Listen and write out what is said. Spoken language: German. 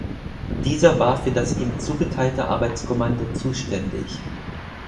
Dieser war für das ihm zugeteilte Arbeitskommando zuständig.